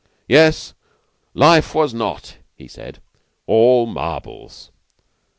"Yes, life was not," he said, "all marbles."